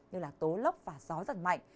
như là tố lốc và gió giật mạnh